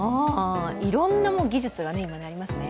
いろんな技術が今ありますね。